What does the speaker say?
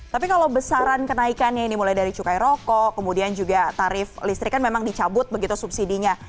tapi kalau besaran kenaikannya ini mulai dari cukai rokok kemudian juga tarif listrik kan memang dicabut begitu subsidinya